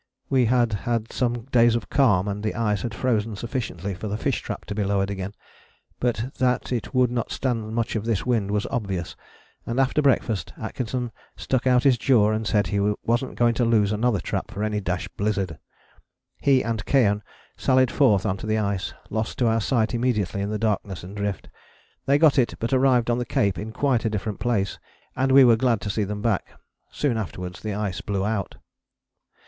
We had had some days of calm, and the ice had frozen sufficiently for the fish trap to be lowered again. But that it would not stand much of this wind was obvious, and after breakfast Atkinson stuck out his jaw and said he wasn't going to lose another trap for any dash blizzard. He and Keohane sallied forth on to the ice, lost to our sight immediately in the darkness and drift. They got it, but arrived on the cape in quite a different place, and we were glad to see them back. Soon afterwards the ice blew out.